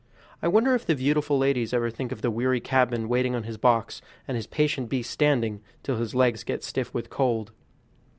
I wonder if the beautiful ladies ever think of the weary cabman waiting on his box, and his patient beast standing, till his legs get stiff with cold.